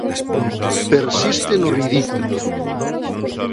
"Persiste no ridículo".